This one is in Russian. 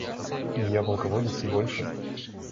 Я полководец и больше.